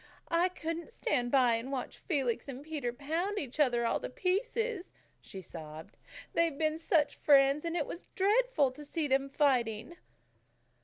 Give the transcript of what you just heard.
"I couldn't stand by and watch Felix and Peter pound each other all to pieces," she sobbed. "They've been such friends, and it was dreadful to see them fighting."